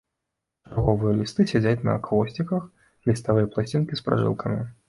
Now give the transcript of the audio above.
Чарговыя лісты сядзяць на хвосціках, ліставыя пласцінкі з пражылкамі.